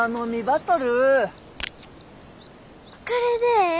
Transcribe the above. これでええ？